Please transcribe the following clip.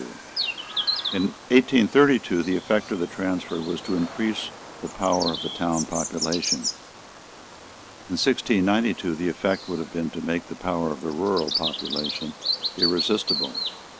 In 1832 the effect of the transfer was to increase the power of the town population. In 1692 the effect would have been to make the power of the rural population irresistible.